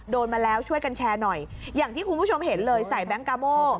โดนมาแล้วช่วยกันแชร์หน่อยอย่างที่คุณผู้ชมเห็นเลยใส่แบงค์กาโม่